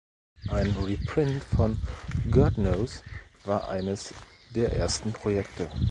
Ein Reprint von "God Nose" war eines der ersten Projekte.